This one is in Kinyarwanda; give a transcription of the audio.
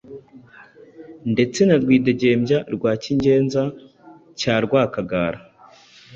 ndetse na Rwidegembya rwa Cyingenza cya Rwakagara.